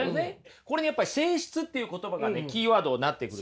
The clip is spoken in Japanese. これねやっぱり性質っていう言葉がねキーワードになってくると思います。